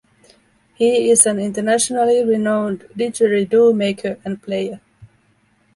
He is an internationally renowned didgeridoo maker and player.